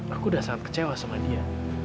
aku udah sangat kecewa sama dia